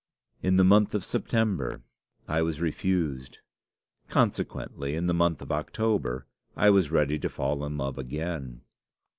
"In the month of September, I was refused. Consequently, in the month of October, I was ready to fall in love again.